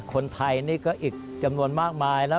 คนไทยนี่ก็อีกจำนวนมากมายแล้ว